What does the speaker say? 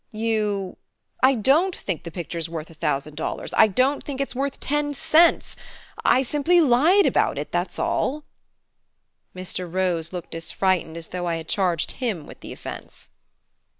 "You ?" "I don't think the picture's worth a thousand dollars; I don't think it's worth ten cents; I simply lied about it, that's all." Mr. Rose looked as frightened as though I had charged him with the offense.